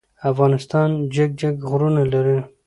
افغانستان جګ جګ غرونه لری.